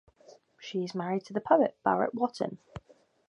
She is married to the poet Barrett Watten.